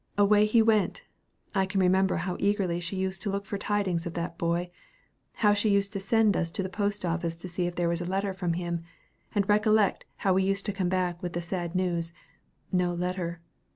Away he went. I can remember how eagerly she used to look for tidings of that boy; how she used to send us to the post office to see if there was a letter from him, and recollect how we used to come back with the sad news, 'No letter!'